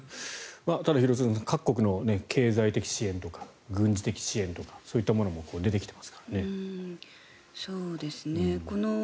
ただ、廣津留さん各国の経済的支援とか軍事的支援とかそういったものも出てきていますからね。